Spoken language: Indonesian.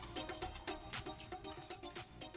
tapi mau jual